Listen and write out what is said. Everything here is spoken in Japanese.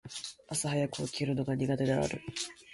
朝早く起きるのが苦手である。